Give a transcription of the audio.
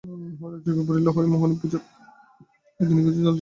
হঠাৎ চোখে পড়িল, হরিমোহিনী পূজার ঘরের কোণে কিছু জল জমিয়া আছে।